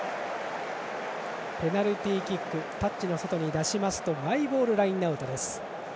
ペナルティーキックこれをタッチの外に出しますとマイボールラインアウトです。